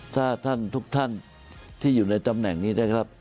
ถ้าท่านทุกท่านที่อยู่ในตำแหน่งนี้นะครับ